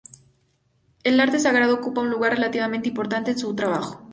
El arte sagrado ocupa un lugar relativamente importante en su trabajo.